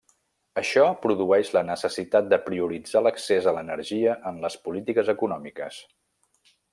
Això produeix la necessitat de prioritzar l'accés a l'energia en les polítiques econòmiques.